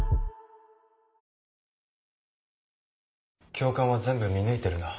教官は全部見抜いてるな。